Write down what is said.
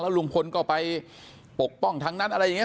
ลุงพลก็ไปปกป้องทั้งนั้นอะไรอย่างนี้